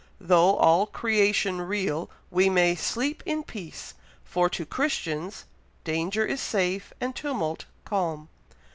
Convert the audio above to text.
Though all creation reel, we may sleep in peace, for to Christians 'danger is safe, and tumult calm.'"